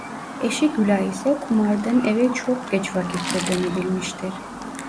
Eşi Gülay ise kumardan eve çok geç vakitte dönebilmiştir.